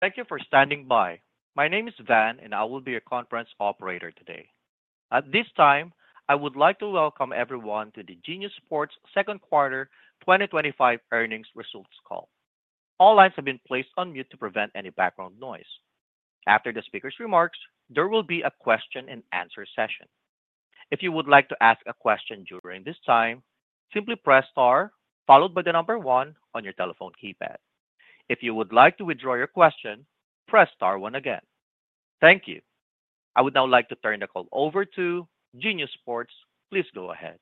Thank you for standing by. My name is Van and I will be your conference operator today. At this time I would like to welcome everyone to the Genius Sports Second Quarter 2025 Earnings Results Call. All lines have been placed on mute to prevent any background noise. After the speaker's remarks, there will be a question and answer session. If you would like to ask a question during this time, simply press R followed by the number one on your telephone keypad. If you would like to withdraw your question, press Star one again. Thank you. I would now like to turn the call over to Genius Sports. Please go ahead.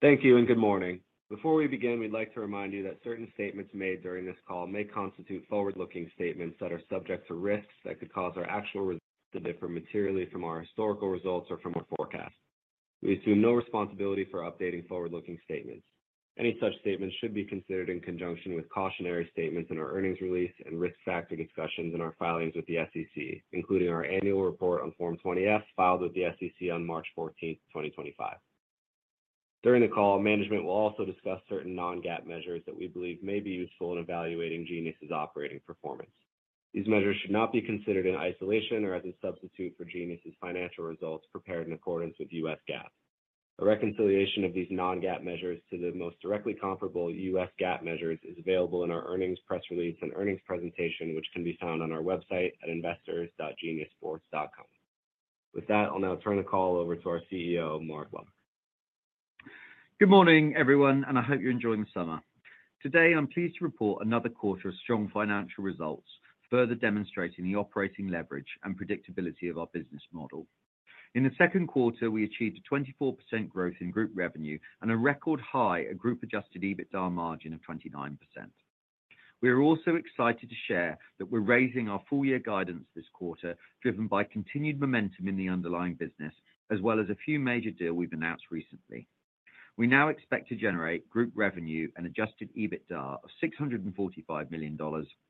Thank you and good morning. Before we begin, we'd like to remind you that certain statements made during this call may constitute forward-looking statements that are subject to risks that could cause our actual results to differ materially from our historical results or from our forecast. We assume no responsibility for updating forward-looking statements. Any such statements should be considered in conjunction with cautionary statements in our earnings release and risk factor discussions in our filings with the SEC, including our annual report on Form 20-F filed with the SEC on March 14, 2025. During the call, management will also discuss certain non-GAAP measures that we believe may be useful in evaluating Genius operating performance. These measures should not be considered in isolation or as a substitute for Genius financial results prepared in accordance with U.S. GAAP. A reconciliation of these non-GAAP measures to the most directly comparable U.S. GAAP measures is available in our earnings press release and earnings presentation which can be found on our website at investors.geniussports.com. With that, I'll now turn the call over to our CEO, Mark Locke. Good morning everyone and I hope you're enjoying the summer. Today I'm pleased to report another quarter of strong financial results, further demonstrating the operating leverage and predictability of our business model. In the second quarter we achieved a 24% growth in group revenue and a record high group adjusted EBITDA margin of 29%. We are also excited to share that we're raising our full year guidance this quarter, driven by continued momentum in the underlying business as well as a few major deals we've announced recently. We now expect to generate group revenue and adjusted EBITDA of $645 million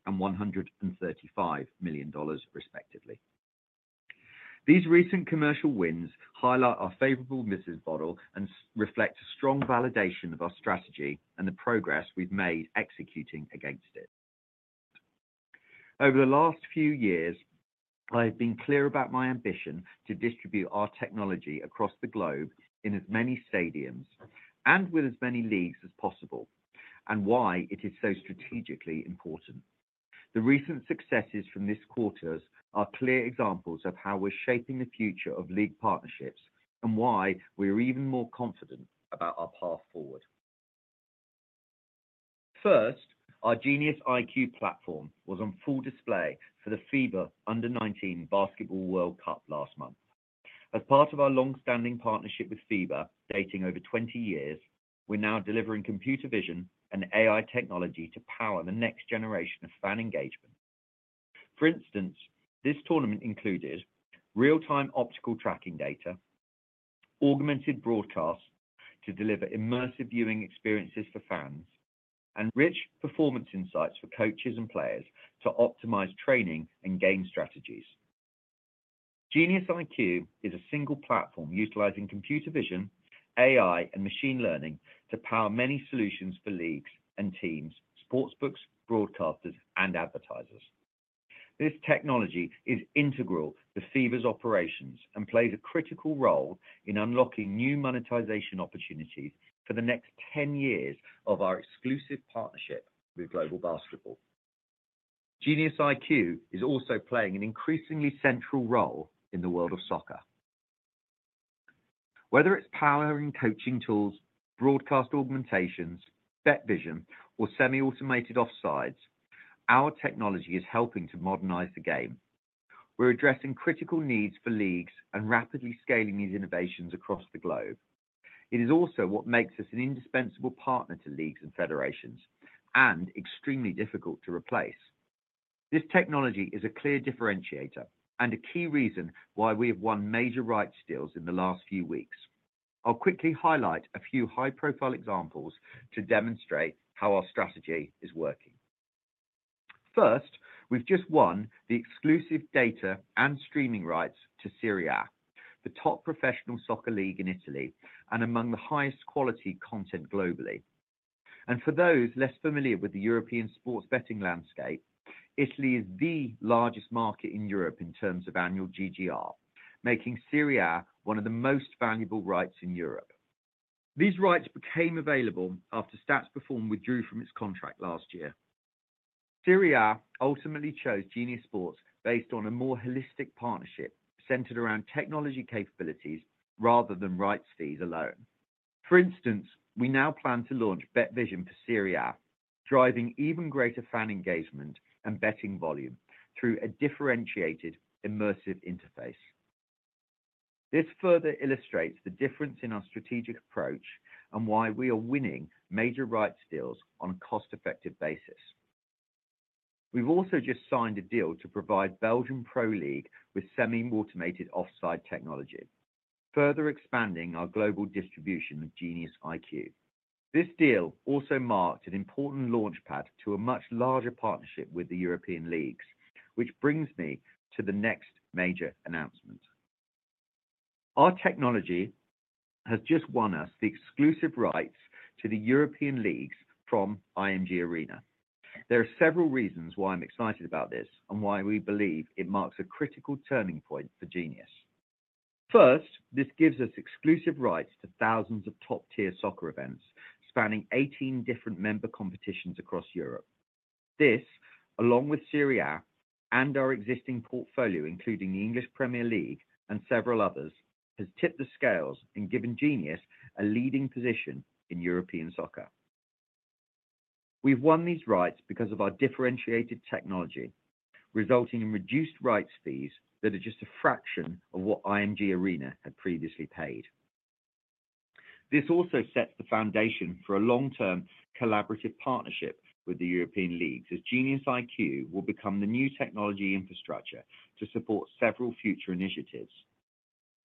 and $135 million, respectively. These recent commercial wins highlight our favorable Mrs. Bottle and reflect a strong validation of our strategy and the progress we've made executing against it. Over the last few years, I've been clear about my ambition to distribute our technology across the globe in as many stadiums and with as many leagues as possible and why it is so strategically important. The recent successes from this quarter are clear examples of how we're shaping the future of league partnerships and why we are even more confident about our path forward. First, our GeniusIQ platform was on full display for the FIBA Under 19 Basketball World Cup last month. As part of our longstanding partnership with FIBA dating over 20 years, we're now delivering computer vision and AI technology to power the next generation of fan engagement. For instance, this tournament included real-time optical tracking data, augmented broadcasts to deliver immersive viewing experiences for fans, and rich performance insights for coaches and players to optimize training and game strategies. GeniusIQ is a single platform utilizing computer vision, AI, and machine learning to power many solutions for leagues and teams, sportsbooks, broadcasters, and advertisers. This technology is integral to FIBA's operations and plays a critical role in unlocking new monetization opportunities for the next 10 years of our exclusive partnership with global basketball. GeniusIQ is also playing an increasingly central role in the world of soccer. Whether it's powering coaching tools, broadcast augmentations, BetVision, or Semi-Automated Offside, our technology is helping to modernize the game. We're addressing critical needs for leagues and rapidly scaling these innovations across the globe. It is also what makes us an indispensable partner to leagues and federations and extremely difficult to replace. This technology is a clear differentiator and a key reason why we have won major rights deals in the last few weeks. I'll quickly highlight a few high-profile examples to demonstrate how our strategy is working. First, we've just won the exclusive data and streaming rights to Serie A, the top professional soccer league in Italy and among the highest quality content globally. For those less familiar with the European sports betting landscape, Italy is the largest market in Europe in terms of annual GGR, making Serie A one of the most valuable rights in Europe. These rights became available after Stats Perform withdrew from its contract last year. Serie A ultimately chose Genius Sports based on a more holistic partnership centered around technology capabilities rather than rights fees alone. For instance, we now plan to launch BetVision for Serie A, driving even greater fan engagement and betting volume through a differentiated immersive interface. This further illustrates the difference in our strategic approach and why we are winning major rights deals on a cost-effective basis. We've also just signed a deal to provide Belgium Pro League with Semi-Automated Offside Technology, further expanding our global distribution of GeniusIQ. This deal also marked an important launch pad to a much larger partnership with the European Leagues, which brings me to the next major announcement. Our technology has just won us the exclusive rights to the European Leagues from IMG Arena. There are several reasons why I'm excited about this and why we believe it marks a critical turning point for Genius. First, this gives us exclusive rights to thousands of top-tier soccer events spanning 18 different member competitions across Europe. This, along with Serie A and our existing portfolio including the English Premier League and several others, has tipped the scales and given Genius a leading position in European soccer. We've won these rights because of our differentiated technology, resulting in reduced rights fees that are just a fraction of what IMG Arena had previously paid. This also sets the foundation for a long-term collaborative partnership with the European Leagues as GeniusIQ will become the new technology infrastructure to support several future initiatives.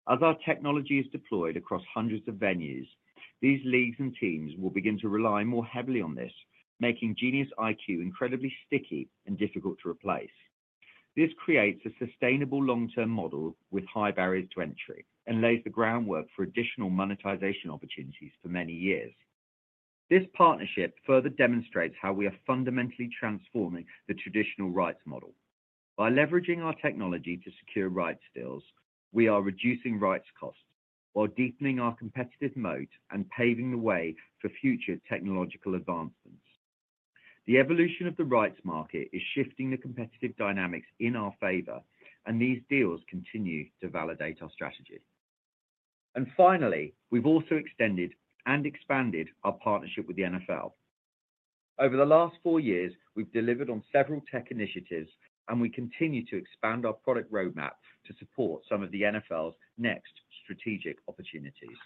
As our technology is deployed across hundreds of venues, these leagues and teams will begin to rely more heavily on this, making GeniusIQ incredibly sticky and difficult to replace. This creates a sustainable long-term model with high barriers to entry and lays the groundwork for additional monetization opportunities for many years. This partnership further demonstrates how we are fundamentally transforming the traditional rights model. By leveraging our technology to secure rights deals, we are reducing rights costs while deepening our competitive moat and paving the way for future technological advancements. The evolution of the rights market is shifting the competitive dynamics in our favor and these deals continue to validate our strategy. Finally, we've also extended and expanded our partnership with the NFL over the last four years. We've delivered on several tech initiatives, and we continue to expand our product roadmap to support some of the NFL's next strategic opportunities.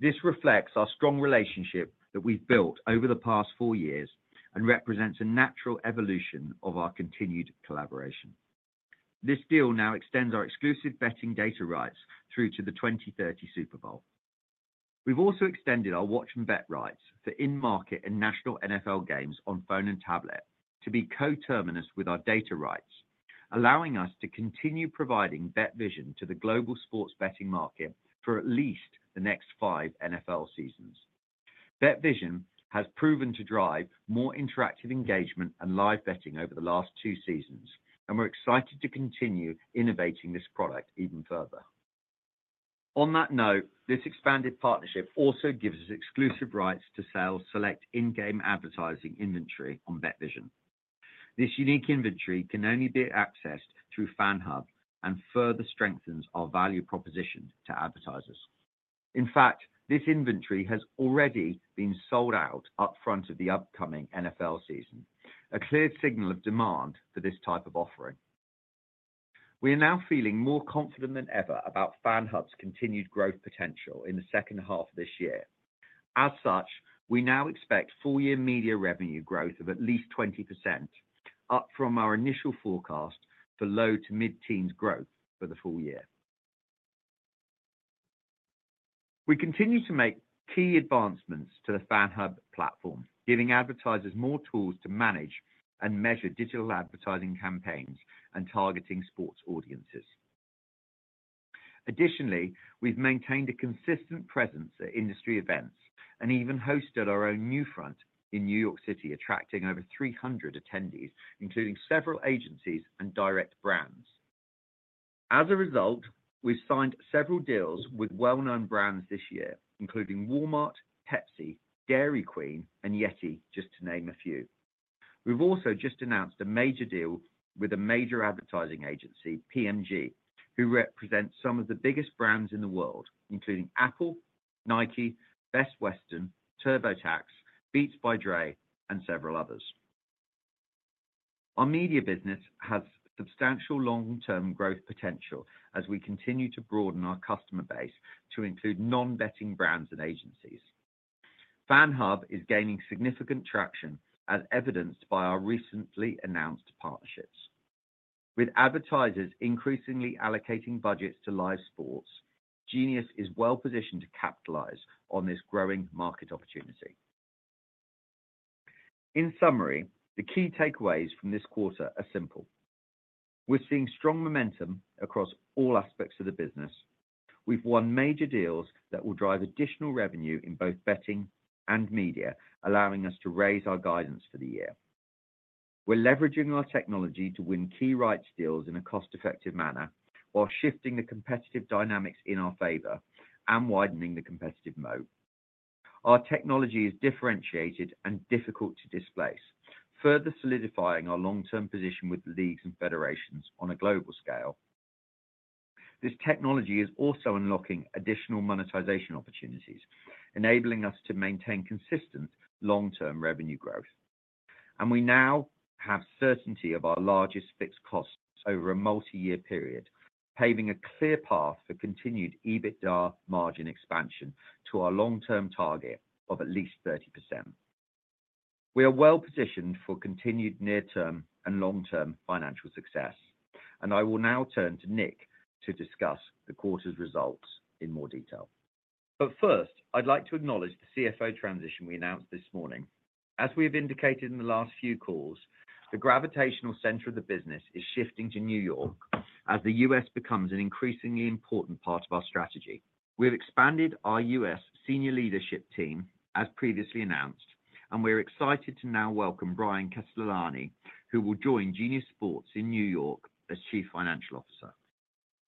This reflects our strong relationship that we've built over the past four years and represents a natural evolution of our continued collaboration. This deal now extends our exclusive betting data rights through to the 2030 Super Bowl. We've also extended our watch and bet rights for in-market and national NFL games on phone and tablet to be coterminous with our data rights, allowing us to continue providing BetVision to the global sports betting market for at least the next five NFL seasons. BetVision has proven to drive more interactive engagement and live betting over the last two seasons, and we're excited to continue innovating this product even further. On that note, this expanded partnership also gives us exclusive rights to sell select in-game advertising inventory on BetVision. This unique inventory can only be accessed through FANHub and further strengthens our value proposition to advertisers. In fact, this inventory has already been sold out up front of the upcoming NFL season, a clear signal of demand for this type of offering. We are now feeling more confident than ever about FANHub's continued growth potential in the second half of this year. As such, we now expect full-year media revenue growth of at least 20%, up from our initial forecast for low to mid-teens growth for the full year. We continue to make key advancements to the FANHub platform, giving advertisers more tools to manage and measure digital advertising campaigns and targeting sports audiences. Additionally, we've maintained a consistent presence at industry events and even hosted our own NewFront in New York City, attracting over 300 attendees including several agencies and direct brands. As a result, we've signed several deals with well-known brands this year including Walmart, Pepsi, Dairy Queen, and Yeti, just to name a few. We've also just announced a major deal with a major advertising agency, PMG, who represents some of the biggest brands in the world including Apple, Nike, Best Western, TurboTax, Beats by Dre, and several others. Our media business has substantial long-term growth potential as we continue to broaden our customer base to include non-betting brands and agencies. FANHub is gaining significant traction as evidenced by our recently announced partnerships with advertisers increasingly allocating budgets to live sports. Genius is well positioned to capitalize on this growing market opportunity. In summary, the key takeaways from this quarter are simple. We're seeing strong momentum across all aspects of the business. We've won major deals that will drive additional revenue in both betting and media, allowing us to raise our guidance for the year. We're leveraging our technology to win key rights deals in a cost effective manner while shifting the competitive dynamics in our favor and widening the competitive moat. Our technology is differentiated and difficult to displace, further solidifying our long term position with leagues and federations on a global scale. This technology is also unlocking additional monetization opportunities, enabling us to maintain consistent long term revenue growth, and we now have certainty of our largest fixed costs over a multi year period, paving a clear path for continued EBITDA margin expansion to our long term target of at least 30%. We are well positioned for continued near term and long term financial success, and I will now turn to Nick to discuss the quarter's results in more detail. First, I'd like to acknowledge the CFO transition we announced this morning. As we have indicated in the last few calls, the gravitational center of the business is shifting to New York as the U.S. becomes an increasingly important part of our strategy. We have expanded our U.S. Senior leadership team as previously announced, and we're excited to now welcome Bryan Castellani, who will join Genius Sports in New York as Chief Financial Officer.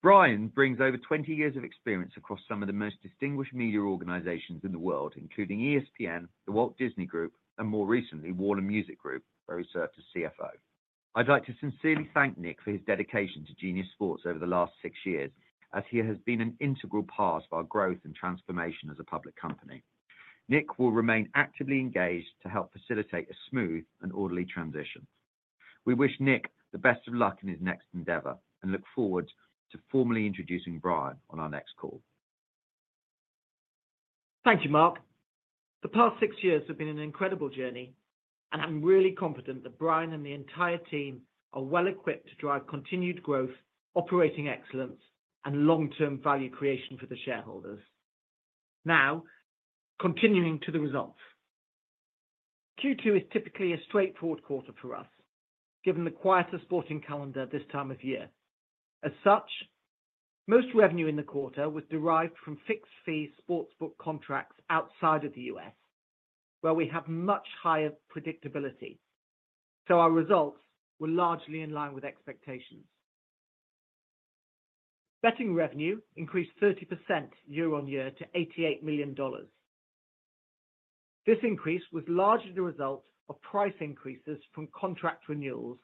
Bryan brings over 20 years of experience across some of the most distinguished media organizations in the world, including ESPN, The Walt Disney Company, and more recently Warner Music Group, where he served as CFO. I'd like to sincerely thank Nick for his dedication to Genius Sports over the last six years, as he has been an integral part of our growth and transformation as a public company. Nick will remain actively engaged to help facilitate a smooth and orderly transition. We wish Nick the best of luck in his next endeavor and look forward to formally introducing Bryan on our next call. Thank you, Mark. The past six years have been an incredible journey and I'm really confident that Bryan and the entire team are well equipped to drive continued growth, operating excellence, and long-term value creation for the shareholders. Now, continuing to the results, Q2 is typically a straightforward quarter for us given the quieter sporting calendar this time of year. As such, most revenue in the quarter was derived from fixed fee sportsbook contracts outside of the U.S. where we have much higher predictability, so our results were largely in line with expectations. Betting revenue increased 30% year-on-year to $88 million. This increase was largely the result of price increases from contract renewals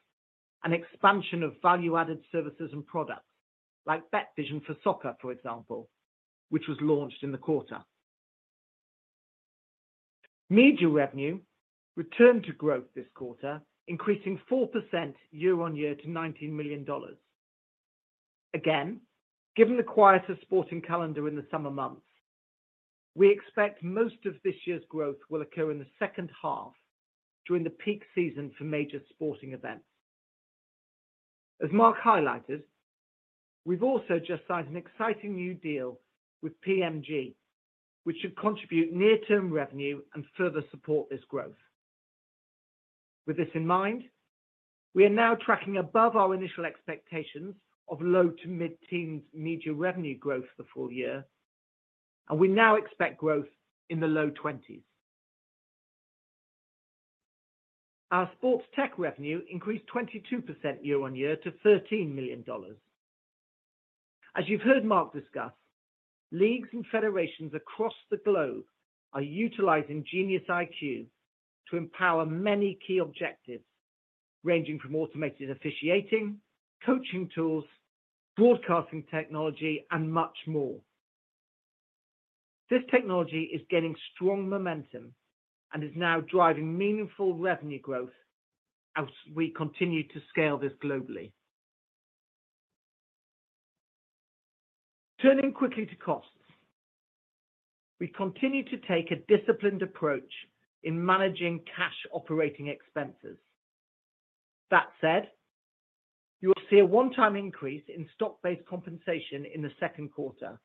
and expansion of value-added services and products like BetVision for soccer, for example, which was launched in the quarter. Media revenue returned to growth this quarter, increasing 4% year-on-year to $19 million. Again, given the quieter sporting calendar in the summer months, we expect most of this year's growth will occur in the second half during the peak season for major sporting events. As Mark highlighted, we've also just signed an exciting new deal with PMG, which should contribute near-term revenue and further support this growth. With this in mind, we are now tracking above our initial expectations of low to mid-teens media revenue growth for the full year, and we now expect growth in the low 20s. Our sports tech revenue increased 22% year-on-year to $13 million. As you've heard Mark discuss, leagues and federations across the globe are utilizing GeniusIQ to empower many key objectives ranging from automated officiating, coaching tools, broadcasting technology, and much more. This technology is gaining strong momentum and is now driving meaningful revenue growth as we continue to scale this globally. Turning quickly to costs, we continue to take a disciplined approach in managing cash operating expenses. That said, you will see a one-time increase in stock-based compensation in the second quarter,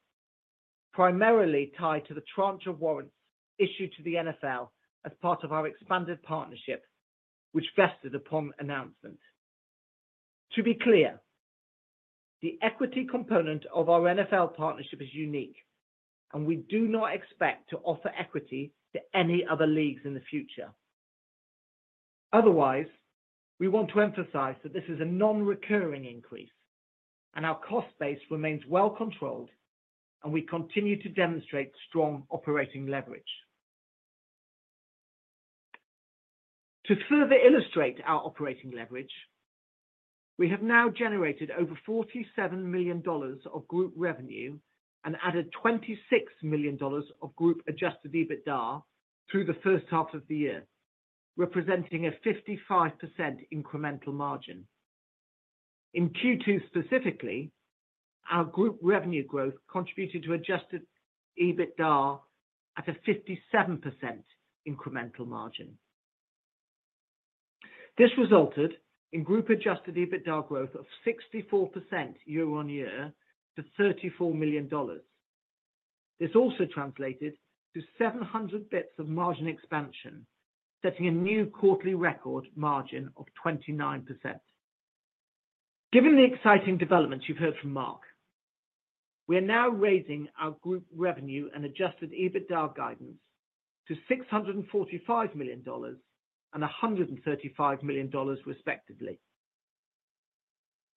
primarily tied to the tranche of warrants issued to the NFL as part of our expanded partnership, which vested upon announcement. To be clear, the equity component of our NFL partnership is unique, and we do not expect to offer equity to any other leagues in the future. Otherwise, we want to emphasize that this is a non-recurring increase, and our cost base remains well controlled, and we continue to demonstrate strong operating leverage. To further illustrate our operating leverage, we have now generated over $47 million of group revenue and added $26 million of group adjusted EBITDA through the first half of the year, representing a 55% incremental margin in Q2. Specifically, our group revenue growth contributed to adjusted EBITDA at a 57% incremental margin. This resulted in group adjusted EBITDA growth of 64% year-on-year to $34 million. This also translated to 700 bps of margin expansion, setting a new quarterly record margin of 29%. Given the exciting developments you've heard from Mark, we are now raising our group revenue and adjusted EBITDA guidance to $645 million and $135 million, respectively.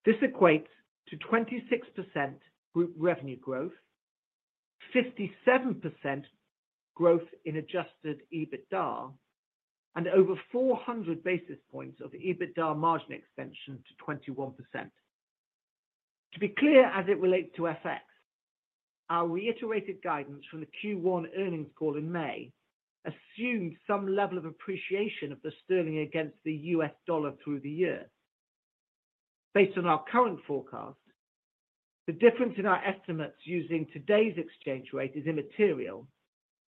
This equates to 26% group revenue growth, 57% group growth in adjusted EBITDA, and over 400 basis points of EBITDA margin expansion to 21%. To be clear, as it relates to FX, our reiterated guidance from the Q1 earnings call in May assumed some level of appreciation of the sterling against the U.S. Dollar through the year, based on our current forecast. The difference in our estimates using today's exchange rate is immaterial,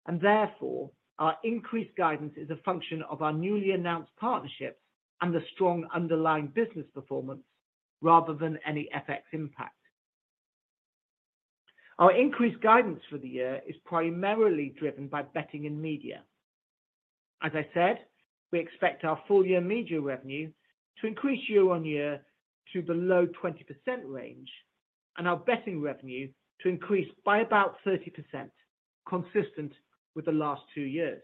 and therefore our increased guidance is a function of our newly announced partnership and the strong underlying business performance rather than any FX impact. Our increased guidance for the year is primarily driven by betting and media. As I said, we expect our full year media revenue to increase year-on-year to below 20% range and our betting revenue to increase by about 30%, consistent with the last two years.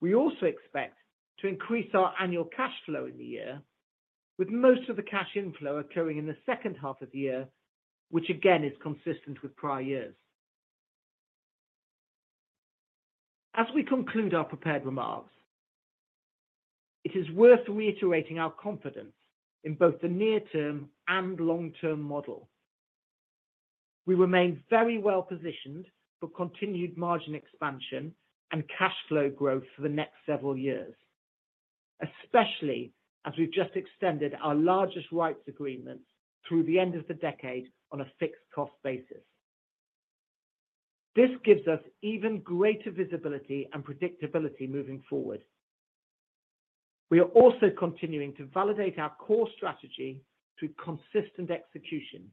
We also expect to increase our annual cash flow in the year, with most of the cash inflow occurring in the second half of the year, which again is consistent with prior years. As we conclude our prepared remarks, it is worth reiterating our confidence in both the near term and long term model. We remain very well positioned for continued margin expansion and cash flow growth for the next several years, especially as we've just extended our largest rights agreement through the end of the decade on a fixed cost basis. This gives us even greater visibility and predictability moving forward. We are also continuing to validate our core strategy through consistent execution,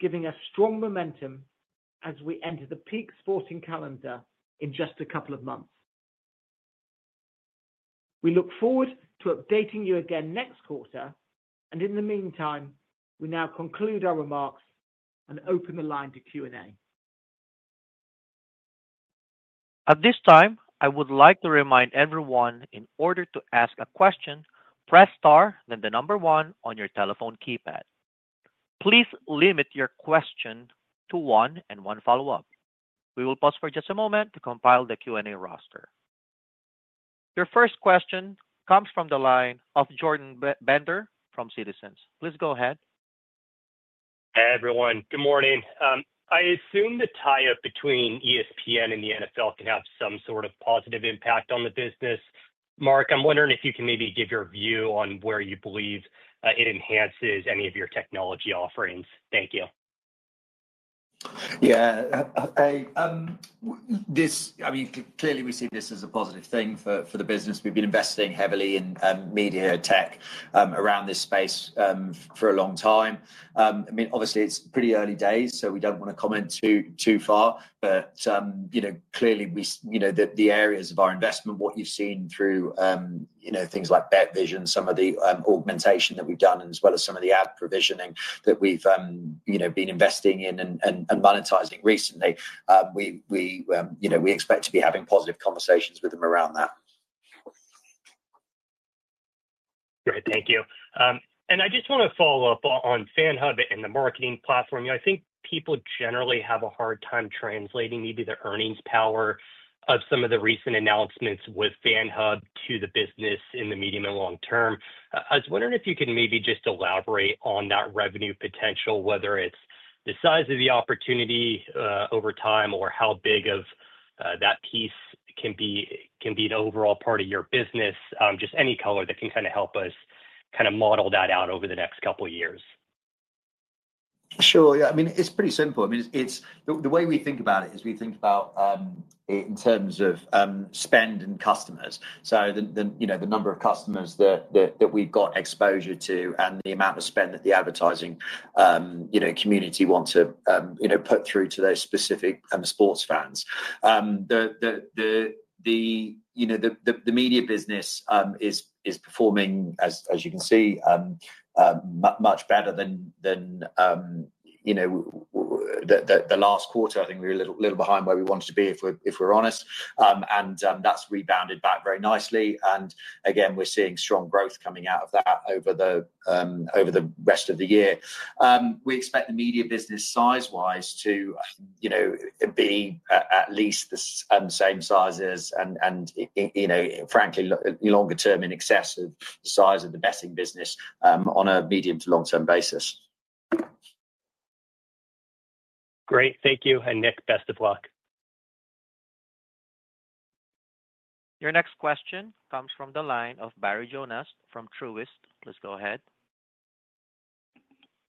giving us strong momentum as we enter the peak sporting calendar in just a couple of months. We look forward to updating you again next quarter. In the meantime, we now conclude our remarks and open the line to Q&A. At this time, I would like to remind everyone, in order to ask a question, press star, then the number one on your telephone keypad. Please limit your question to one and one follow up. We will pause for just a moment to compile the Q&A roster. Your first question comes from the line of Jordan Bender from Citizens. Please go ahead. Everyone, Good morning. I assume the tie up between ESPN and the NFL can have some sort of positive impact on the business. Mark, I'm wondering if you can maybe give your view on where you believe it enhances any of your technology offerings. Thank you. Yeah. Clearly, we see this as a positive thing for the business. We've been investing heavily in media tech around this space for a long time. Obviously, it's pretty early days, so we don't want to comment too far, but clearly the areas of our investment, what you've seen through things like BetVision, some of the augmentation that we've done, as well as some of the ad provisioning that we've been investing in and monetizing recently, we expect to be having positive conversations with them around that. Great, thank you. I just want to follow up on FANHub and the marketing platform. I think people generally have a hard time translating maybe the earnings power of some of the recent announcements with FANHub to the business in the medium and long term. I was wondering if you can maybe just elaborate on that revenue potential, whether it's the size of the opportunity over time or how big of that piece can be the overall part of your business. Just any color that can kind of help us kind of model that out over the next couple years. Sure, yeah. I mean, it's pretty simple. The way we think about it is we think about it in terms of spend and customers. So the number of customers that we've got exposure to and the amount of spend that the advertising community want to put through to their specific sports fans. The media business is performing, as you can see, much better than the last quarter. I think we were a little behind where we wanted to be, if we're honest. That's rebounded back very nicely. We're seeing strong growth coming out of that over the rest of the year. We expect the media business, size wise, to be at least the same size and, frankly, longer term in excess of the size of the betting business on a medium to long term basis. Great, thank you and Nick, best of luck. Your next question comes from the line of Barry Jonas from Truist. Let's go ahead.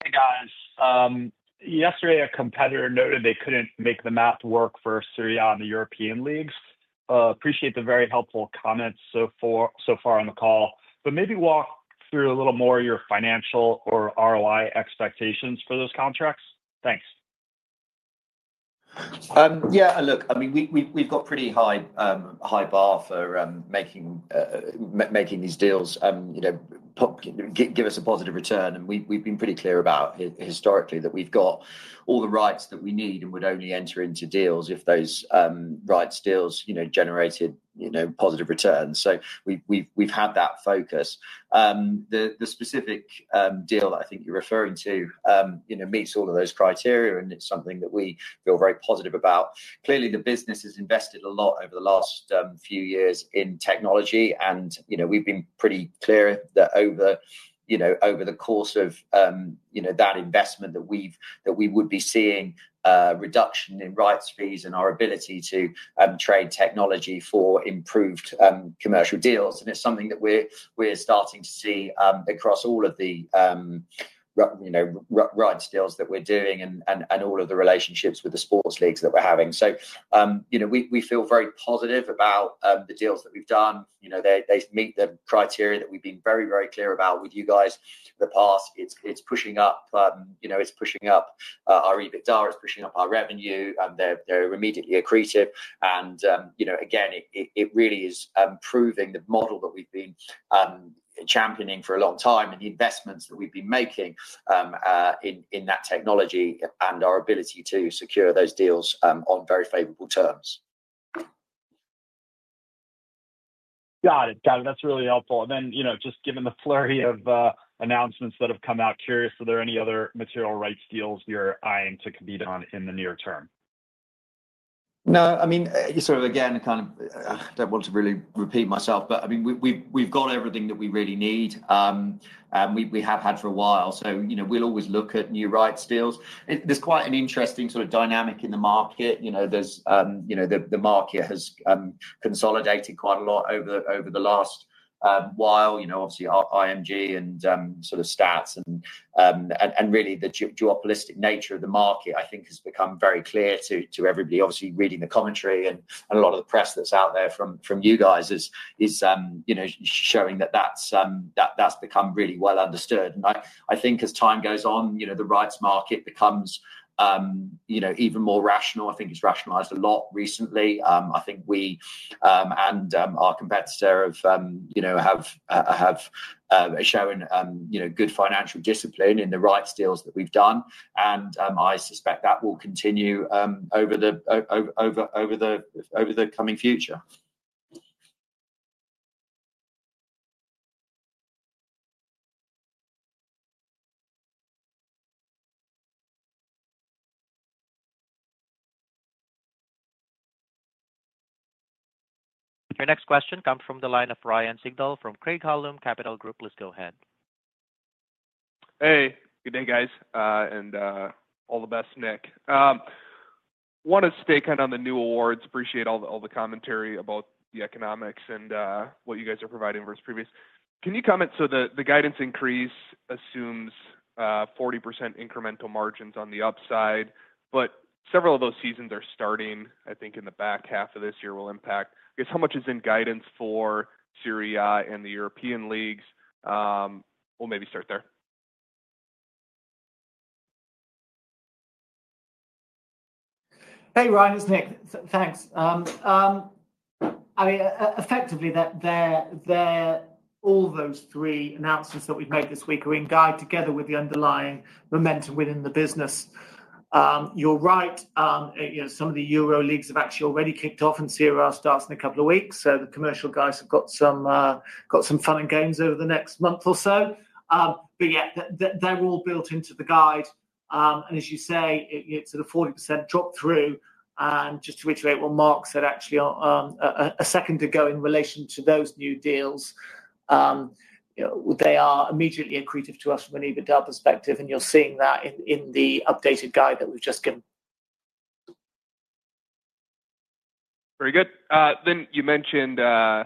Hey, guys. Yesterday a competitor noted they couldn't make the math work for Serie A in the European Leagues. Appreciate the very helpful comments so far on the call, but maybe walk through a little more your financial or ROI expectations for those contracts. Thanks. Yeah, look, I mean, we've got a pretty high bar for making these deals give us a positive return. We've been pretty clear historically that we've got all the rights that we need, and we only enter into deals if those rights deals generate positive returns. We've had that focus. The specific deal that I think you're referring to meets all of those criteria, and it's something that we feel very positive about. Clearly, the business has invested a lot over the last few years in technology, and we've been pretty clear that over the course of that investment, we would be seeing reduction in rights fees and our ability to trade technology for improved commercial deals. It's something that we're starting to see across all of the rights deals that we're doing and all of the relationships with the sports leagues that we're having. We feel very positive about the deals that we've done. They meet the criteria that we've been very, very clear about with you guys in the past. It's pushing up our EBITDA, it's pushing up our revenue, and they're immediately accretive. It really is proving the model that we've been championing for a long time and the investments that we've been making in that technology and our ability to secure those deals on very favorable terms. Got it. That's really helpful. Just given the flurry of announcements that have come out, curious, are there any other material rights deals you're eyeing to compete on in the near term? No. I mean, you sort of don't want to really repeat myself, but we've got everything that we really need and we have had for a while. We'll always look at new rights deals. There's quite an interesting dynamic in the market. The market has consolidated quite a lot over the last while. Obviously, IMG and Stats and really the duopolistic nature of the market I think has become very clear to everybody. Obviously, reading the commentary and a lot of the press that's out there from you guys is showing that that's become really well understood. I think as time goes on, the rights become even more rational. I think it's rationalized a lot recently. I think we and our competitor have shown good financial discipline in the rights deals that we've done and I suspect that will continue over the coming future. Your next question comes from the line of Ryan Sigdahl from Craig-Hallum Capital Group. Let's go ahead. Hey, good day guys and all the best, Nick. Want to stay kind of on the new awards. Appreciate all the commentary about the economics and what you guys are providing versus previous. Can you comment? The guidance increase assumes 40% incremental margins on the upside. Several of those seasons are starting, I think, in the back half of this year and will impact. Guess how much is in guidance for Serie A and the European Leagues. We'll maybe start there. Hey Ryan, it's Nick thanks. I mean effectively all those three announcements that we've made this week are in guide together with the underlying momentum within the business. You're right. Some of the Euro leagues have actually already kicked off and Serie A starts in a couple of weeks. The commercial guys have got some fun and games over the next month or so. Yeah, they're all built into the guide and as you say, it's at a 40% drop through. Just to reiterate what Mark said actually a second ago in relation to those new deals, they are immediately accretive to us from an EBITDA perspective. You're seeing that in the updated guide that we've just given. Very good. You mentioned that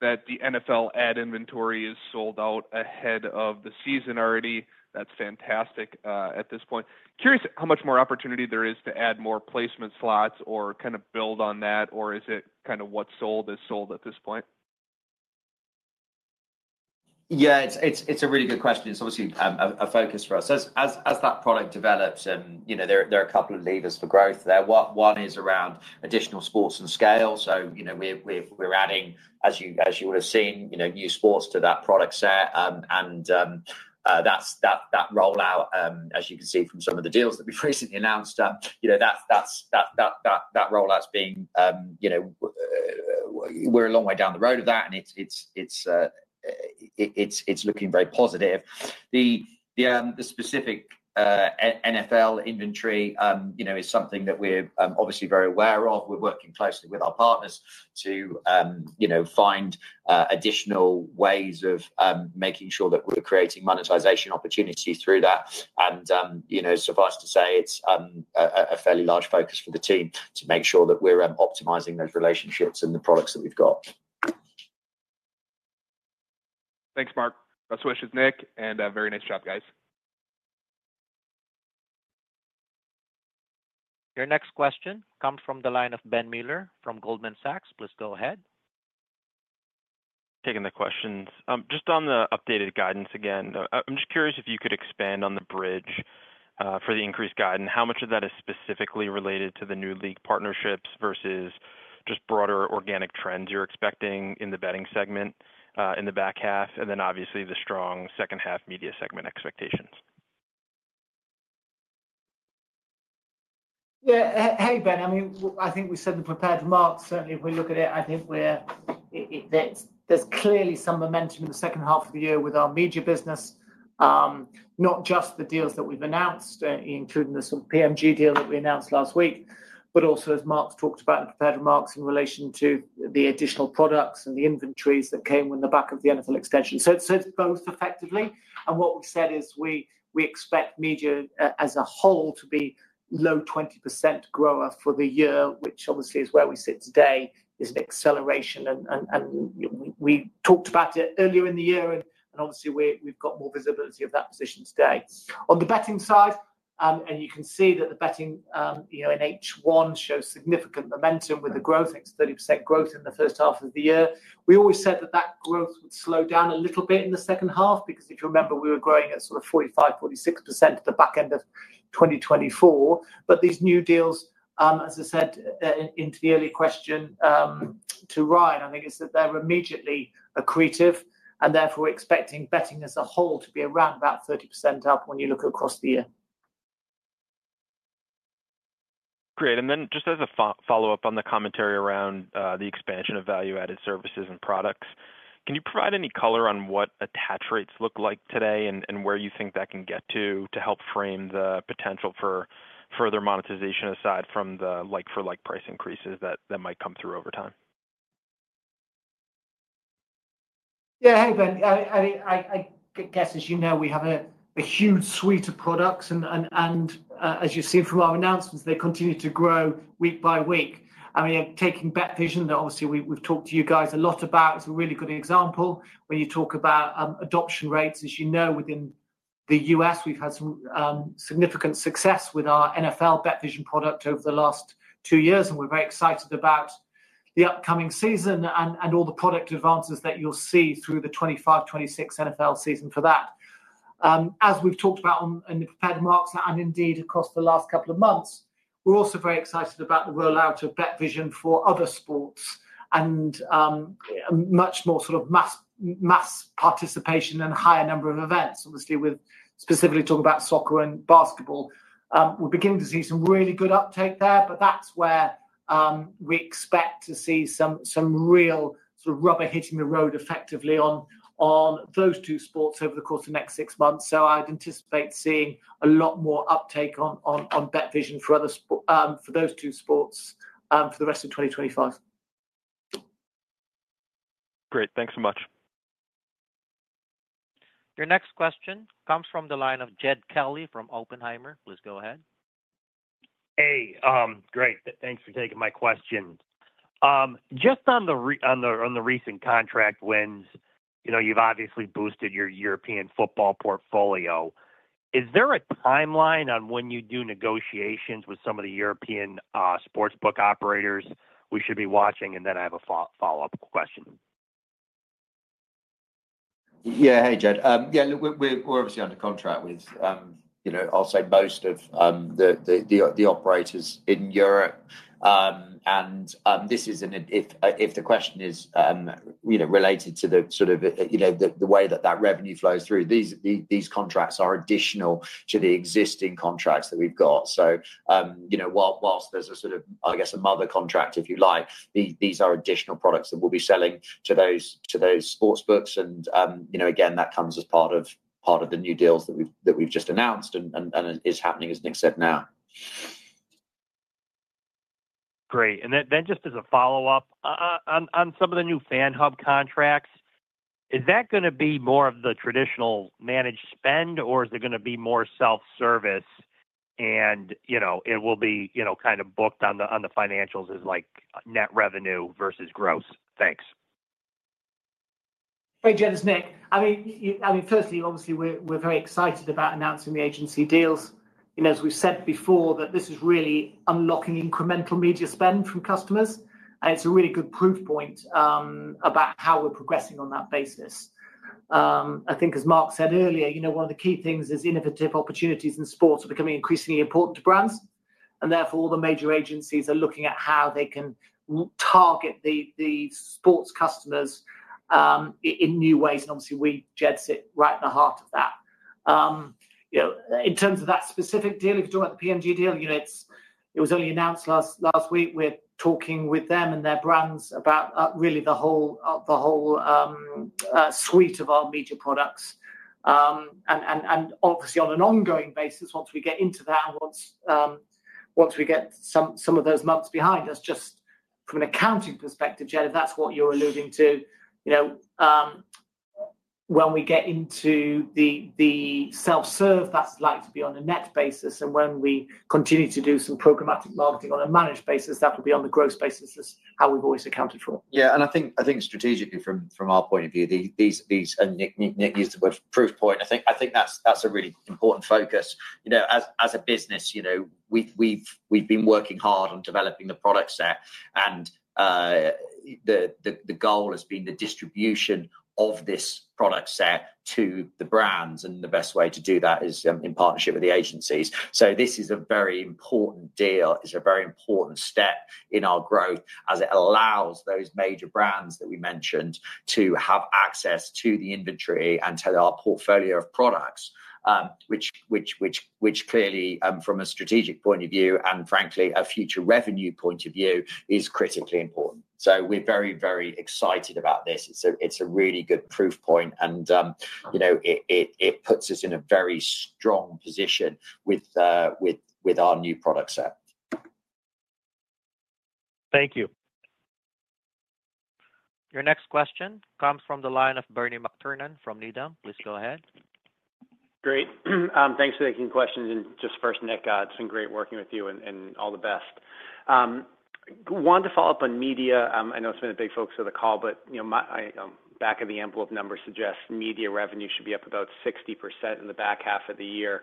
the NFL ad inventory is sold out ahead of the season already. That's fantastic. At this point, curious how much more opportunity there is to add more placement slots or kind of build on that, or is it kind of what sold is sold at this point? Yeah, it's a really good question. It's obviously a focus for us as that product develops. There are a couple of levers for growth there. One is around additional sports and scale. We're adding, as you would have seen, new sports to that product set and that rollout, as you can see from some of the deals that we've recently announced, is looking very positive. The specific NFL inventory is something that we're obviously very aware of. We're working closely with our partners to find additional ways of making sure that we're creating monetization opportunities through that. Suffice to say it's a fairly large focus for the team to make sure that we're optimizing those relationships and the products that we've got. Thanks, Mark. Best wishes, Nick, and very nice job, guys. Your next question comes from the line of Ben Miller from Goldman Sachs. Please go ahead. Taking the questions just on the updated guidance. Again, I'm just curious if you could expand on the bridge for the increased guidance. How much of that is specifically related to the new league partnerships versus just broader organic trends you're expecting in the betting segment in the back half, and then obviously the strong second half media segment expectations? Yeah. Hey, Ben, I mean I think we said in the prepared remarks certainly if we look at it, I think there's clearly some momentum in the second half of the year with our media business. Not just the deals that we've announced, including the PMG deal that we announced last week, but also as Mark talked about in the prepared remarks in relation to the additional products and the inventories that came in the back of the NFL extension. It says both effectively and what we've said is we expect media as a whole to be low 20% grower for the year, which obviously is where we sit today is an acceleration and we talked about it earlier in the year and obviously we've got more visibility of that position today on the betting side. You can see that the betting in H1 shows significant momentum with the growth, 30% growth in the first half of the year. We always said that that growth would slow down a little bit in the second half because if you remember, we were growing at sort of 45%, 46% at the back end of 2024. These new deals, as I said in the early question to Ryan, I think is that they're immediately accretive and therefore expecting betting as a whole to be around about 30% up when you look across the year. Great. Just as a follow up on the commentary around the expansion of value added services and products, can you provide any color on what attach rates look like today and where you think that can get to to help frame the potential for further monetization aside from the like for like price increases that might come through over time. Yeah. Hey Ben, I guess as you know we have a huge suite of products, and as you've seen from our announcements, they continue to grow week by week. I mean, taking BetVision that obviously we've talked to you guys a lot about, is a really good example when you talk about adoption rates. As you know, within the U.S. we've had some significant success with our NFL BetVision product over the last two years, and we're very excited about the upcoming season and all the product advances that you'll see through the 2025, 2026 NFL season. For that, as we've talked about in the prepared remarks and indeed across the last couple of months, we're also very excited about where we're allowed to BetVision for other sports and much more sort of mass participation and higher number of events. Obviously, specifically talking about soccer and basketball, we're beginning to see some really good uptake there. That's where we expect to see some real rubber hitting the road effectively on those two sports over the course of the next six months. I'd anticipate seeing a lot more uptake on BetVision for those two sports for the rest of 2025. Great, thanks so much. Your next question comes from the line of Jed Kelly from Oppenheimer. Please go ahead. Hey, great, thanks for taking my question. Just on the recent contract wins, you know, you've obviously boosted your European football portfolio. Is there a timeline on when you do negotiations with some of the European sportsbook operators we should be watching? I have a follow up question. Yeah. Hey Jed. Yeah. We're obviously under contract with, you know, I'll say most of the operators in Europe. If the question is related to the sort of, you know, the way that revenue flows through, these contracts are additional to the existing contracts that we've got. Whilst there's a sort of, I guess a mother contract if you like, these are additional products that we'll be selling to those sports books. That comes as part of the new deals that we've just announced and is happening as Nick said now. Great. Just as a follow up on some of the new FANHub contracts, is that going to be more of the traditional managed spend or is it going to be more self service? Will it be kind of booked on the financials as net revenue versus gross? Thanks. Hi Jed, it's Nick. Firstly, obviously we're very excited about announcing the agency deals, as we said before, that this is really unlocking incremental media spend from customers. It's a really good proof point about how we're progressing on that basis. I think as Mark said earlier, one of the key things is innovative opportunities in sports are becoming increasingly important to brands, therefore all the major agencies are looking at how they can target the sports customers in new ways. Obviously we, Jed, sit right at the heart of that in terms of that specific deal. If you talk about the PMG deal, it was only announced last week. We're talking with them and their brands about really the whole suite of our media products and obviously on an ongoing basis. Once we get some of those months behind us. Just from an accounting perspective, Jed, if that's what you're alluding to, when we get into the self serve, that's likely to be on a net basis and when we continue to do some programmatic marketing on a managed basis, that would be on the gross basis. That's how we've always accounted for. I think strategically from our point of view, Nick used the word proof point. I think that's a really important focus. As a business, we've been working hard on developing the product set, and the goal has been the distribution of this product set to the brands. The best way to do that is in partnership with the agencies. This is a very important deal, it's a very important step in our growth as it allows those major brands that we mentioned to have access to the inventory and to our portfolio of products, which clearly from a strategic point of view and frankly a future revenue point of view is critically important. We're very, very excited about this. It's a really good proof point, and it puts us in a very strong position with our new product set. Thank you. Your next question comes from the line of Bernie McTernan from Needham. Please go ahead. Great, thanks for taking questions and just first Nick, it's been great working with you and all the best. Wanted to follow up on media. I know some of the big folks of the call, but back of the envelope numbers suggest media revenue should be up about 60% in the back half of the year.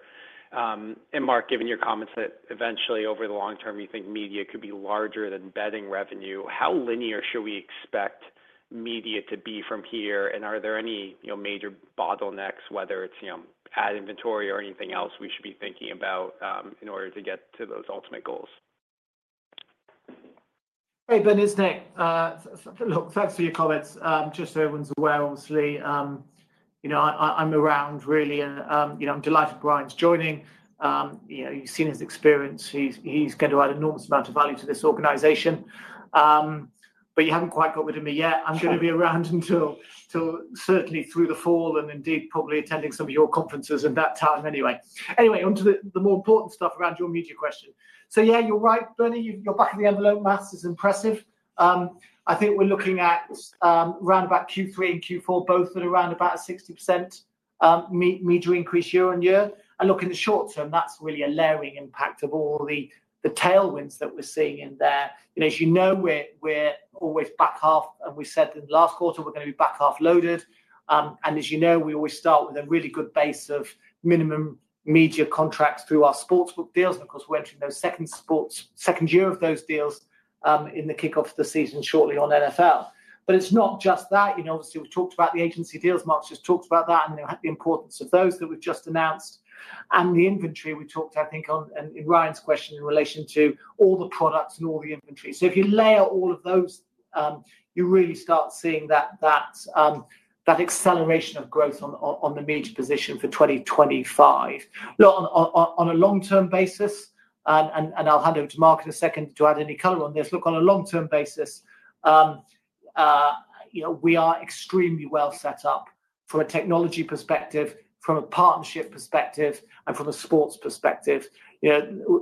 Mark, given your comments that eventually over the long term you think media could be larger than betting revenue, how linear should we expect media to be from here and are there any major bottlenecks, whether it's ad inventory or anything else we should be thinking about in order to get to those ultimate goals? Hey Ben, it's Nick. Thanks for your comments. Just so everyone's aware, obviously I'm around really and I'm delighted Brian's joining. You've seen his experience. He's going to add enormous amount of value to this organization. You haven't quite got rid of me yet. I'm going to be around until certainly through the fall and indeed probably attending some of your conferences in that time. Anyway, onto the more important stuff around your media question. You're right, Bernie, your back of the envelope maths is impressive. I think we're looking at around Q3 and Q4 both at around a 60% media increase year-on-year. In the short term that's really a layering impact of all the tailwinds that we're seeing in there. As you know, we're always back half and we said in last quarter we're going to be back half loaded. As you know we always start with a really good base of minimum media contracts through our sportsbook deals. Of course we're entering those second year of those deals in the kickoff of the season shortly on NFL. It's not just that. We've talked about the agency deals, Mark's just talked about that and the importance of those that we've just announced and the inventory we talked, I think in Ryan's question in relation to all the products and all the inventory. If you layer all of those, you really start seeing that acceleration of growth on the media position for 2025 on a long term basis. I'll hand over to Mark in a second to add any color on this. On a long term basis we are extremely well set up from a technology perspective, from a partnership perspective and from a sports perspective.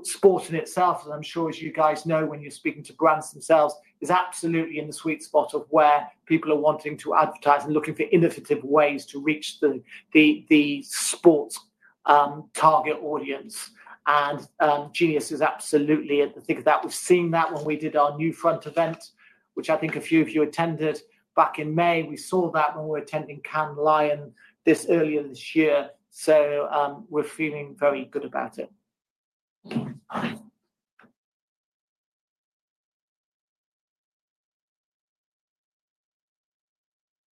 Sport in itself, as I'm sure, as you guys know when you're speaking to brands themselves, is absolutely in the sweet spot of where people are wanting to advertise and looking for innovative ways to reach the sports target audience. Genius is absolutely at the thick of that. We've seen that when we did our new front event, which I think a few of you attended back in May, we saw that when we were attending Cannes Lion this early in this year. We're feeling very good about it.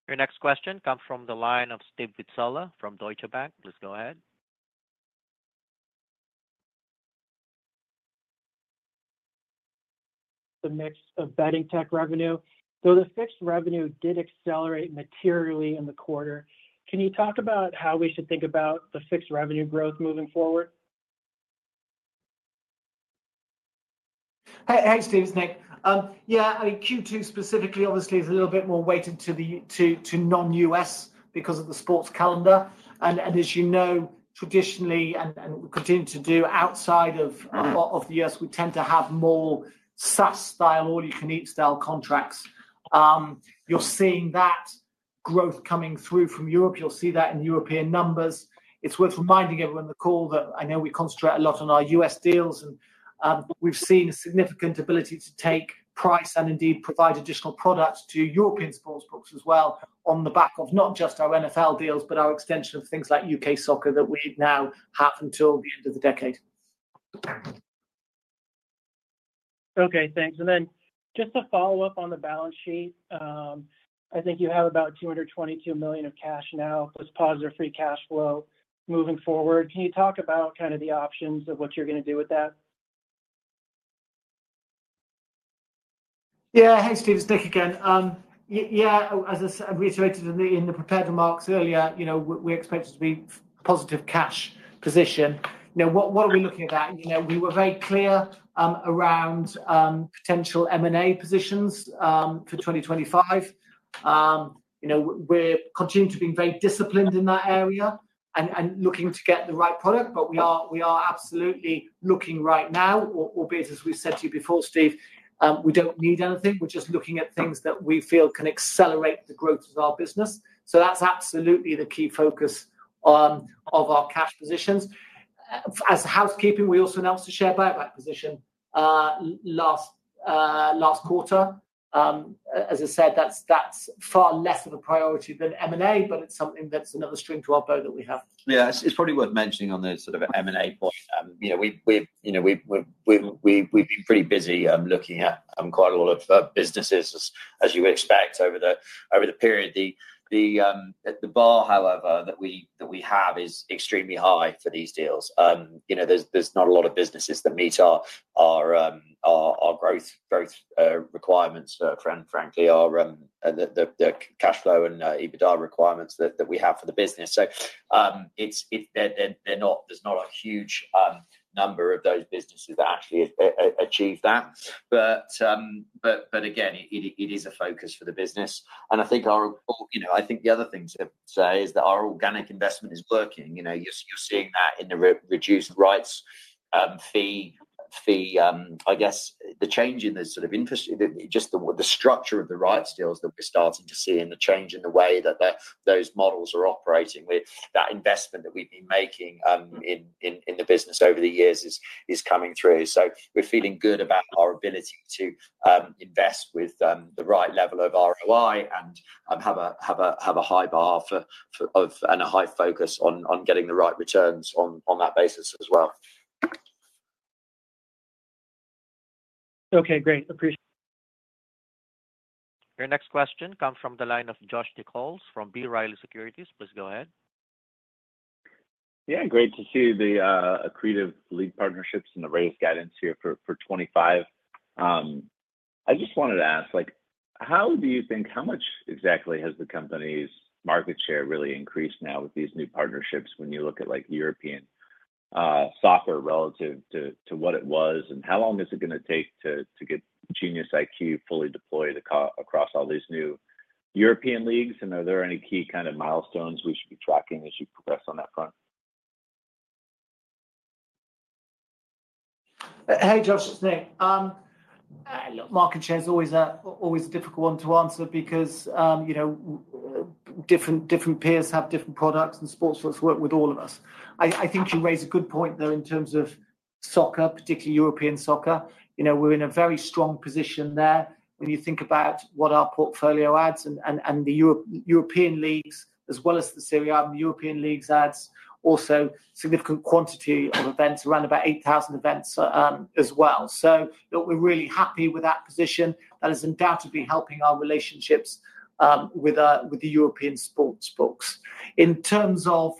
Your next question comes from the line of Steve Pizzella from Deutsche Bank. The mix of betting tech revenue, though the fixed revenue did accelerate materially in the quarter. Can you talk about how we should think about the fixed revenue growth moving forward? Hey Steve, it's Nick. Q2 specifically, obviously is a little bit more weighted to the non-U.S. because of the sports calendar, and as you know, traditionally and continuing to do outside of the U.S., we tend to have more SaaS-style, all-you-can-eat style contracts. You're seeing that growth coming through from Europe. You'll see that in European numbers. It's worth reminding everyone on the call that I know we concentrate a lot on our U.S. deals, and we've seen a significant ability to take price and indeed provide additional products to European sportsbooks as well on the back of not just our NFL deals, but our extension of things like U.K. soccer that we now have until the decade. Okay, thanks. Just to follow up on the balance sheet, I think you have about $222 million of cash now plus positive free cash flow moving forward. Can you talk about the options of what you're going to do with that? Yeah, hey Steve, it's Nick again. As I reiterated in the prepared remarks earlier, we expect it to be positive cash position. Now what are we looking at? We were very clear around potential M&A positions for 2025. We're continuing to be very disciplined in that area and looking to get the right product. We are absolutely looking right now, albeit as we said to you before, Steve, we don't need anything. We're just looking at things that we feel can accelerate the growth of our business. That's absolutely the key focus of our cash positions as housekeeping. We also announced a share buyback position last quarter. As I said, that's far less of a priority than M&A, but it's something that's another string to our play that we have. Yeah, it's probably worth mentioning on this sort of M&A. We are pretty busy looking at quite a lot of businesses, as you would expect over the period. The bar, however, that we have is extremely high for these deals. There's not a lot of businesses that meet our growth requirements and, frankly, the cash flow and EBITDA requirements that we have for the business. There aren't a huge number of those businesses that actually achieve that. It is a focus for the business. I think the other thing to say is that our organic investment is working. You're seeing that in the reduced rights fee. I guess the change in this sort of interest is just the structure of the rights deals that we're starting to see and the change in the way that those models are operating with that investment that we've been making in the business over the years is coming through. We're feeling good about our ability to invest with the right level of ROI and have a high bar and a high focus on getting the right returns on that basis as well. Okay, great. Appreciate it. Your next question comes from the line of Josh Nichols from B. Riley Securities. Please go ahead. Yeah, great to see the accretive league partnerships and the raised guidance here for 2025. I just wanted to ask, how do you think, how much exactly has the company's market share really increased now with these new partnerships when you look at European software relative to what it was, and how long is it going to take to get GeniusIQ fully deployed across all these new European leagues? Are there any key kind of milestones we should be tracking as you progress on that front? Hey Josh, it's Nick. Market share is always a difficult one to answer because, you know, different peers have different products and sports books work with all of us. I think you raise a good point though in terms of soccer, particularly European soccer. We're in a very strong position there. When you think about what our portfolio adds and the European Leagues as well as Serie A, European Leagues add also significant quantity of events, around about 8,000 events as well. We're really happy with that position. That is undoubtedly helping our relationships with the European sports books in terms of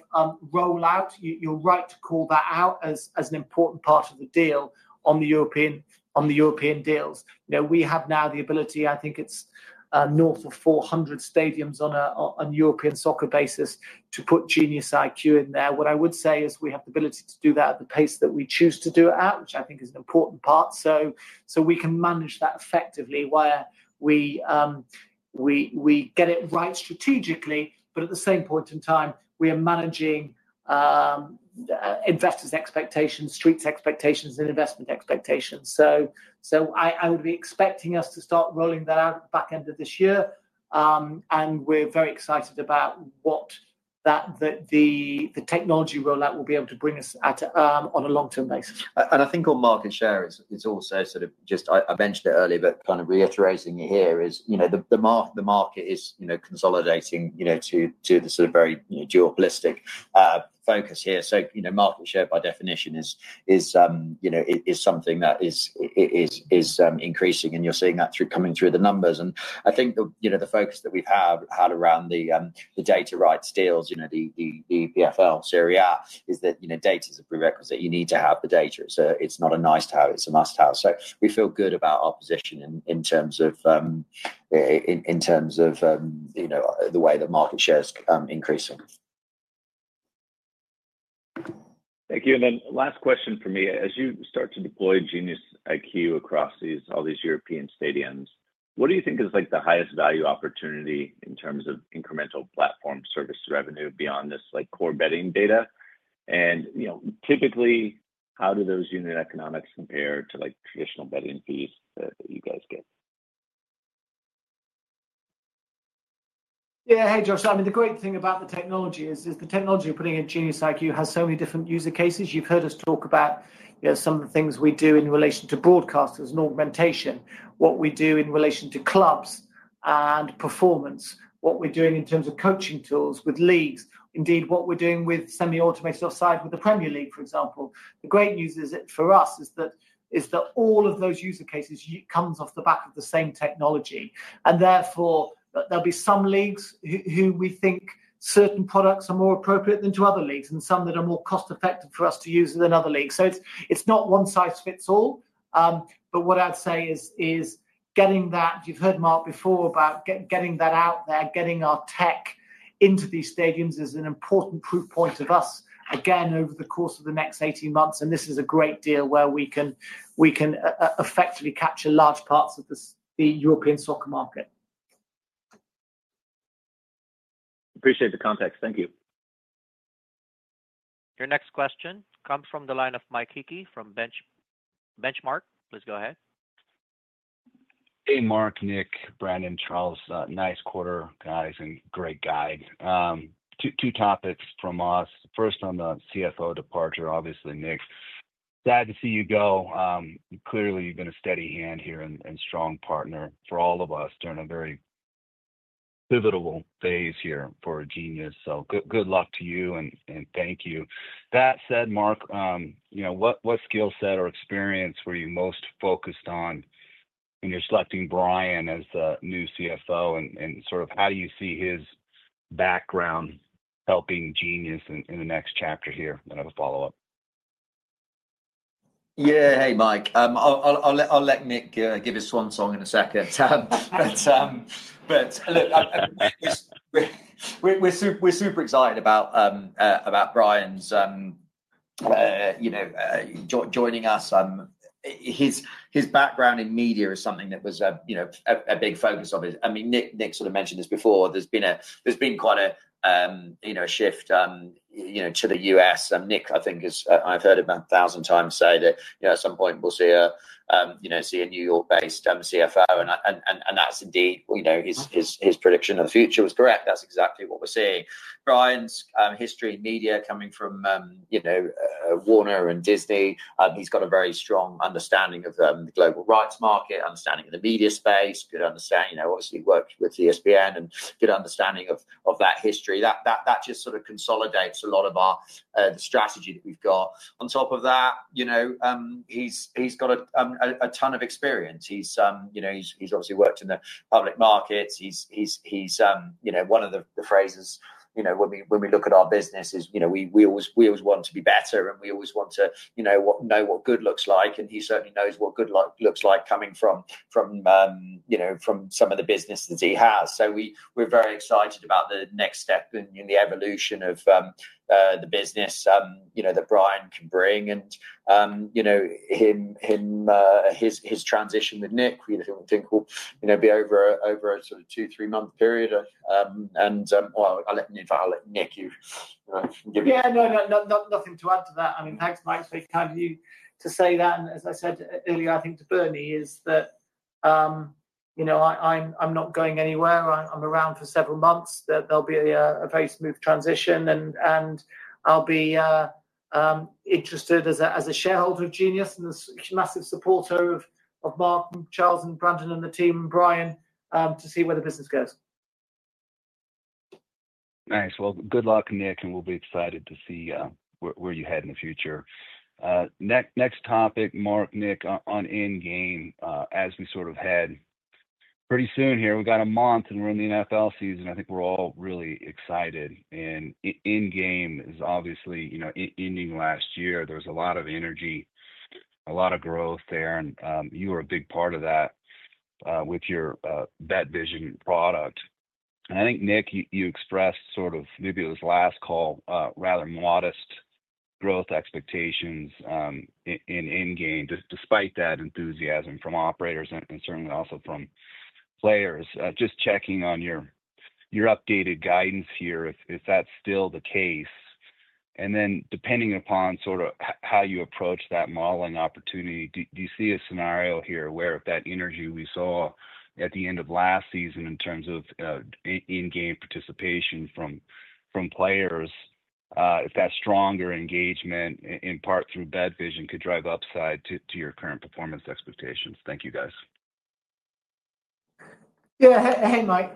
rollout. You're right to call that out as an important part of the deal. On the European deals, we have now the ability, I think it's north of 400 stadiums on a European soccer basis, to put GeniusIQ in there. What I would say is we have the ability to do that at the pace that we choose to do it, which I think is an important part so we can manage that effectively where we get it right strategically. At the same point in time, we are managing investors' expectations, street's expectations, and investment expectations. I would be expecting us to start rolling that out back end of this year. We're very excited about what the technology rollout will be able to bring us on a long-term basis. I think on market share, it's also sort of just, I benched it early. Kind of reiterating here is, you know, the market is consolidating to the sort of very dual ballist focus here. You know, market share by definition is something that is increasing, and you're seeing that coming through the numbers. I think the focus that we've had around the data rights deals, you know, the EPFL, Serie A, is that data is a prerequisite, you need to have the data. It's not a nice to have, it's a must have. We feel good about our position in terms of the way that market share is increasing. Thank you. Last question for me. As you start to deploy GeniusIQ across all these European stadiums, what do you think is the highest value opportunity in terms of incremental platform service revenue beyond this core betting data? Typically, how do those unit economics compare to traditional betting fees that you guys get? Yeah. Hey, Josh. I mean the great thing about the technology is the technology we're putting in GeniusIQ has so many different use cases. You've heard us talk about some of the things we do in relation to broadcasters and augmentation, what we do in relation to clubs and performance, what we're doing in terms of coaching tools with leagues, indeed what we're doing with Semi-Automated Offside with the Premier League, for example. The great news for us is that all of those use cases come off the back of the same technology and therefore there'll be some leagues who we think certain products are more appropriate than to other leagues and some that are more cost effective for us to use than other leagues. It's not one size fits all. What I'd say is getting that, you've heard Mark before about getting that out there. Getting our tech into these stadiums is an important proof point of us again over the course of the next 18 months. This is a great deal where we can effectively capture large parts of the European stock market. Appreciate the context. Thank you. Your next question comes from the line of Mike Hickey from Benchmark. Please go ahead. Hey Mark, Nick, Brandon, Charles, nice quarter guys and great guidelines. Two topics from us. First on the CFO departure, obviously Nick, sad to see you go. Clearly you've been a steady hand here and strong partner for all of us during a very pivotal phase here for Genius. Good luck to you and thank you. That said, Mark, what skill set or experience were you most focused on in selecting Bryan as the new CFO and how do you see his background helping Genius in the next chapter here? Another follow up. Yeah. Hey Mike, I'll let Nick give his swan song in a second. But look. We're super excited about Bryan's joining us. His background in media is something that was a big focus of it. Nick sort of mentioned this before. There's been quite a shift to the U.S. Nick, I think, is, I've heard him a thousand times say that at some point we'll see a New York-based CFO and that's indeed his prediction of the future was correct. That's exactly what we're seeing. Bryan's history, media coming from Warner and Disney. He's got a very strong understanding of the global rights market, understanding of the media space, you'd understand, obviously, work with ESPN and good understanding of that history. That just sort of consolidates a lot of our strategy that we've got. On top of that, he's got a ton of experience. He's obviously worked in the public markets. One of the phrases, when we look at our business is, we always want to be better and we always want to know what good looks like and he certainly knows what good looks like coming from some of the business that he has. We're very excited about the next step in the evolution of the business that Bryan can bring. His transition with Nick we think will be over a sort of two, three month period. I'll let Nick. Yeah, nothing to add to that. Thanks. Mike's favorite time to say that, and as I said earlier, I think to Bernie, you know, I'm not going anywhere. I'm around for several months, and there'll be a very smooth transition. I'll be interested as a shareholder of Genius and a massive supporter of Mark, Charles, Brandon, and the team, Brian, to see where the business goes. Nice. Good luck, Nick, and we'll be excited to see where you head in the future. Next topic. Mark, Nick on endgame. As we sort of head pretty soon here, we've got a month and we're in the NFL season. I think we're all really excited. Endgame is obviously, you know, ending last year. There was a lot of energy, a lot of growth there, and you were a big part of that with your BetVision product. I think, Nick, you expressed sort of, maybe it was last call, rather modest growth expectations in endgame despite that enthusiasm from operators and certainly also from players. Just checking on your updated guidance here, if that's still the case, and then depending upon sort of how you approach that modeling opportunity, do you see a scenario here where if that energy we saw at the end of last season in terms of in-game participation from players, if that stronger engagement in part through BetVision could drive upside to your current performance expectations. Thank you, guys. Yeah. Hey, Mike.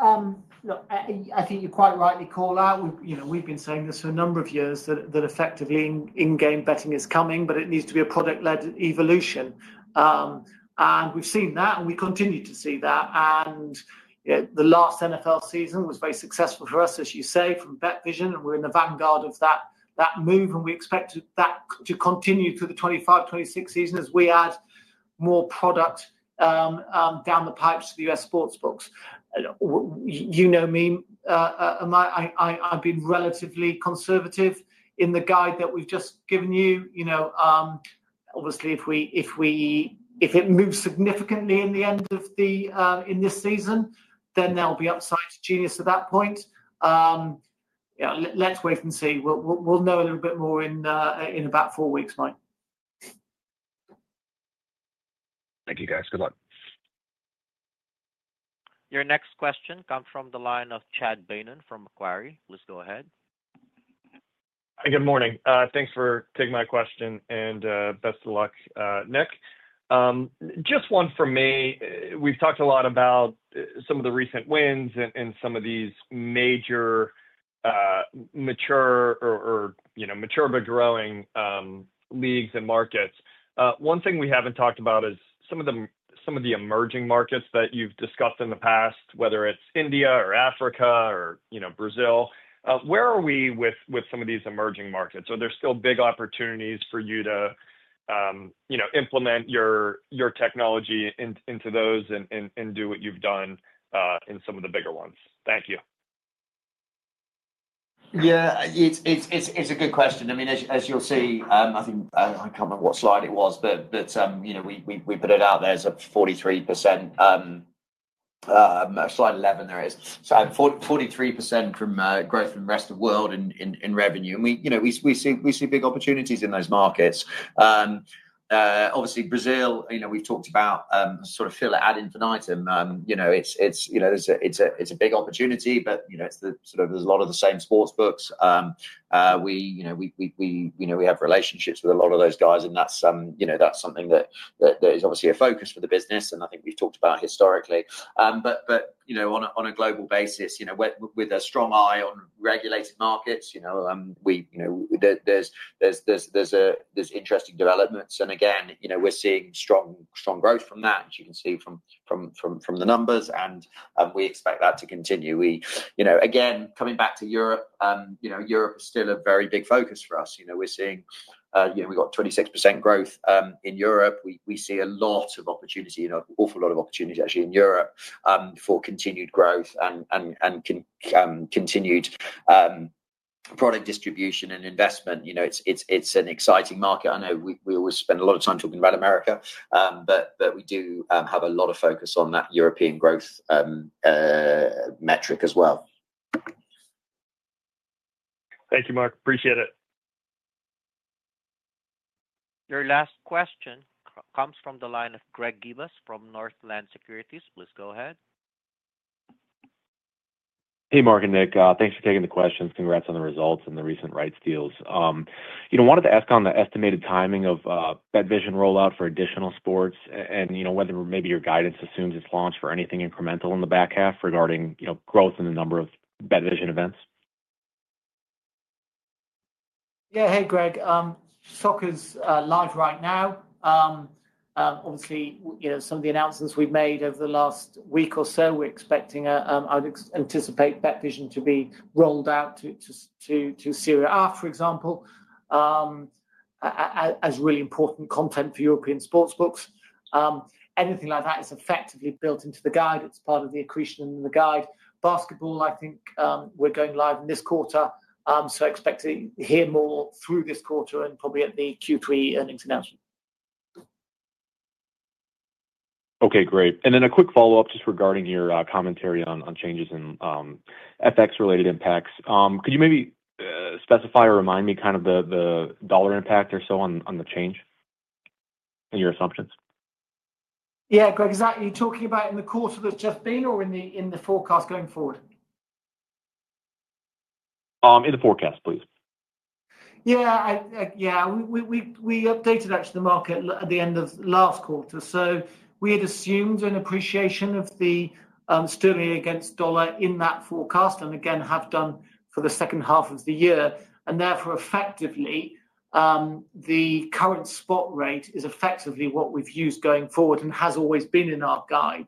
I think you quite rightly call out, we've been saying this for a number of years that effectively in-game betting is coming, but it needs to be a product-led evolution. We've seen that and we continue to see that. The last NFL season was very successful for us, as you say, from BetVision. We're in the vanguard of that move and we expect that to continue through the 2025, 2026 season as we add more product down the pipes to the U.S. sportsbooks. You know me, I've been relatively conservative in the guide that we've just given you. Obviously, if it moves significantly in the end of this season, then there'll be upside to Genius at that point. Let's wait and see. We'll know a little bit more in about four weeks. Thank you, guys. Good luck. Your next question comes from the line of Chad Beynon from Macquarie. Let's go ahead. Good morning. Thanks for taking my question and best of luck. Nick, just one for me. We've talked a lot about some of the recent wins and some of these major mature or mature but growing leagues and markets. One thing we haven't talked about is some of the emerging markets that you've discussed in the past, whether it's India or Africa or Brazil. Where are we with some of these emerging markets? Are there still big opportunities for you to implement your technology into those and do what you've done in some of the bigger ones? Thank you. Yeah, it's a good question. I mean, as you'll see, I think I can't remember what slide it was, but that, you know, we put it out there as a 43% slide. There is 43% growth from rest of world in revenue. We see big opportunities in those markets. Obviously Brazil, you know, we've talked about sort of fill it ad infinitum. It's a big opportunity. There's a lot of the same sportsbooks. We have relationships with a lot of those guys and that's something that is obviously a focus for the business and I think we've talked about historically. On a global basis, with a strong eye on regulated markets, there's interesting developments and again, we're seeing strong growth from that. You can see from the numbers and we expect that to continue. Coming back to Europe, Europe is still a very big focus for us. We're seeing 26% growth in Europe. We see a lot of opportunity, an awful lot of opportunity actually in Europe for continued growth and continued product distribution and investment. It's an exciting market. I know we always spend a lot of time talking about America, but we do have a lot of focus on that European growth metric as well. Thank you, Mark. Appreciate it. Your last question comes from the line of Greg Gibas from Northland Securities. Please go ahead. Hey, Mark and Nick, thanks for taking the questions. Congrats on the results and the recent rights deals. You know, wanted to ask on the estimated timing of BetVision rollout for additional sports and, you know, whether maybe your guidance assumes its launch for anything incremental in the back half regarding, you know, growth in the number of BetVision events. Yeah. Hey, Greg, soccer's live right now. Obviously, some of the announcements we've made over the last week or so, we're expecting, I would anticipate BetVision to be rolled out to Serie A, for example, as really important content for European sportsbooks. Anything like that is effectively built into the guide. It's part of the accretion and the guide. Basketball, I think we're going live in this quarter. Expect to hear more through this quarter and probably at the Q3 earnings announcement. Okay, great. A quick follow up. Just regarding your commentary on changes in FX related impacts, could you maybe specify or remind me kind of the dollar impact or so on the change and your assumptions? Yeah. Greg, is that, are you talking about in the quarter that's just been, or in the forecast going forward? In the forecast, please. Yeah. We updated actually the market at the end of last quarter. We had assumed an appreciation of the sterling against dollar in that forecast and again, have done for the second half of the year. Therefore, effectively, the current spot rate is effectively what we've used going forward and has always been in our guide.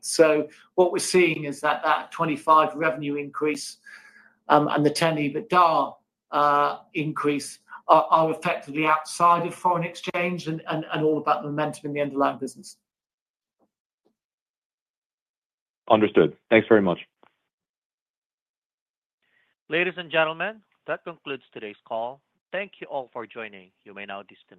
What we're seeing is that that 25% revenue increase and the 10% EBITDA increase are effectively outside of foreign exchange and all about momentum in the end of our business. Understood. Thanks very much. Ladies and gentlemen. That concludes today's call. Thank you all for joining. You may now disconnect.